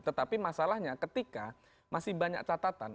tetapi masalahnya ketika masih banyak catatan